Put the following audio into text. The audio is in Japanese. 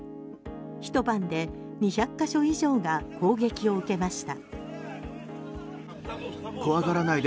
ひと晩で２００か所以上が攻撃を受けました。